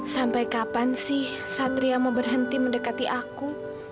sampai kapan sih satria mau berhenti mendekati aku